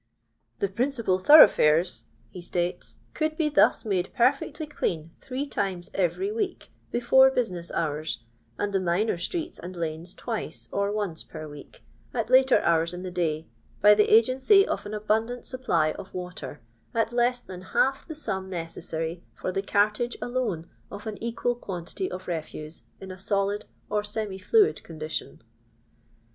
" The principal thoroughfitfes, he states, could be thus made perfectly clean, three times every week, before business hours, and the minor streets and lanes twice, or once per week, at later hours in the day, by the agency of an abundant supply of water, at Uu <Aa«i Aa(^ the rum neceuaryfor the cartage alone of an equal quantity of refuse in a solid or semi fluid condition."